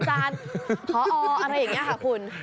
พออะไรอย่างนี้ค่ะคุณ